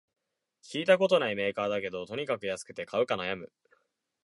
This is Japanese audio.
聞いたことないメーカーだけど、とにかく安くて買うか悩む